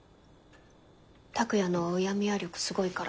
拓哉のうやむや力すごいから。